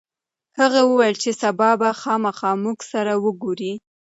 هغه وویل چې سبا به خامخا موږ سره وګوري.